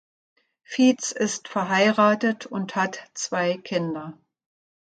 Fietz ist verheiratet und hat zwei Kinder.